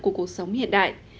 của cuộc sống hiện đại